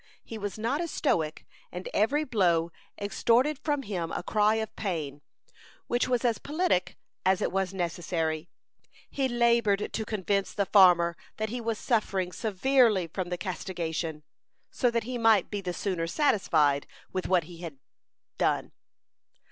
He was not a Stoic, and every blow extorted from him a cry of pain, which was as politic as it was necessary. He labored to convince the farmer that he was suffering severely from the castigation, so that he might be the sooner satisfied with what had been done.